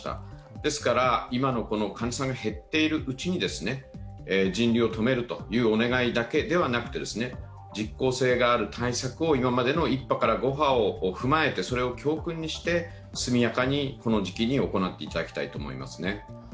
ですから今の患者さんが減ってるうちに人流を止めるというお願いだけではなくて実効性がある対策を今までの１波から５波を踏まえてそれを教訓にして速やかにこの時期に行っていただきたいと思います。